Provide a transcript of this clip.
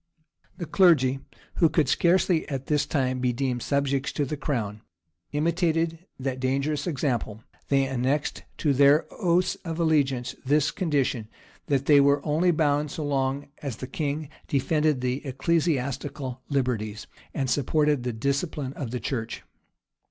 ] The clergy, who could scarcely at this time be deemed subjects to the crown, imitated that dangerous example: they annexed to their oaths of allegiance this condition, that they were only bound so long as the king defended the ecclesiastical liberties, and supported the discipline of the church.